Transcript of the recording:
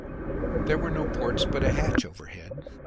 There were no ports, but a hatch overhead.